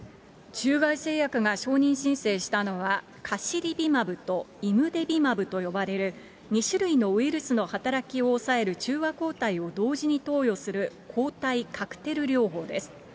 中外製薬が承認申請したのは、カシリビマブとイムデビマブと呼ばれる、２種類のウイルスの働きを抑える中和抗体を同時に投与する、抗体カクテル療法です。